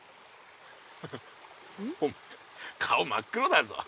フフお前顔真っ黒だぞ。